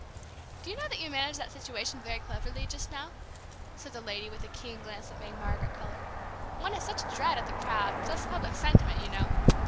"Do you know that you managed that situation very cleverly just now?" said the lady, with a keen glance that made Margaret color. "One has such a dread of the crowd, just public sentiment, you know.